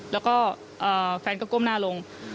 แล้วก็แฟนก็ก้มหน้าลง